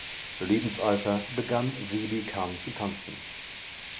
Lebensalter begann Vehbi Can zu tanzen.